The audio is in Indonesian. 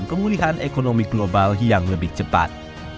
dan kemuliaan ekonomi global yang lebih cepat